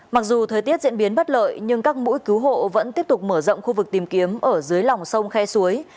mặc dù thời tiết diễn biến bất lợi nhưng các mũi cứu hộ vẫn tiếp tục mở rộng khu vực tìm kiếm ở dưới lòng sông khe suối